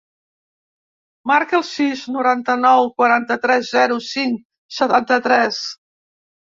Marca el sis, noranta-nou, quaranta-tres, zero, cinc, setanta-tres.